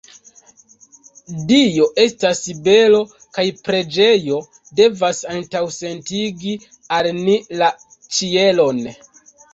Dio estas belo kaj preĝejo devas antaŭsentigi al ni la ĉielon.